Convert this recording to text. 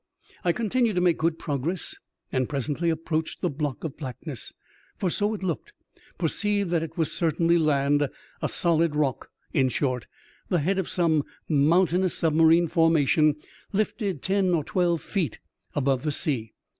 I continued to make good progress, and presently approaching the block of blackness, for so it looked, perceived that it was certainly land — a solid rock, in short — ^the head of some mountainous submarine for mation lifted ten or twelve feet above the sea.